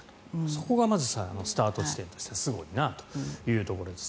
そこがまずスタート地点としてすごいなというところです。